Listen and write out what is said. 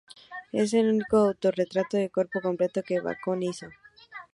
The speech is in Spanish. Es el único auto-retrato de cuerpo completo que Bacon hizo.